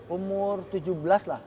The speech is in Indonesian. umur tujuh belas lah